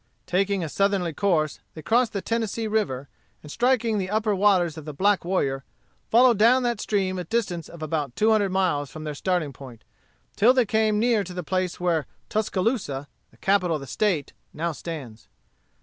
Taking a southerly course, they crossed the Tennessee River, and striking the upper waters of the Black Warrior, followed down that stream a distance of about two hundred miles from their starting point, till they came near to the place where Tuscaloosa, the capital of the State, now stands.